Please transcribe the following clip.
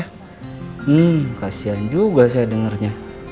hmm kasihan juga saya dengarnya